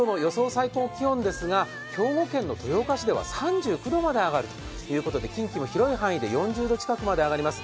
最高気温ですが、兵庫県の豊岡市では３９度まで上がるということで近畿も広い範囲で４０度近くまで上がります。